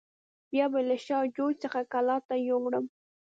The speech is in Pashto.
بیا یې له شا جوی څخه کلات ته یووړم.